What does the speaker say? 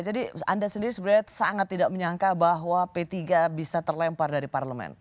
anda sendiri sebenarnya sangat tidak menyangka bahwa p tiga bisa terlempar dari parlemen